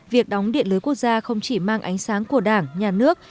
việc đóng điện lưới quốc gia không chỉ mang ánh sáng của đảng nhà nước